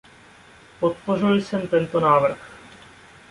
Podpořil jsem tento návrh.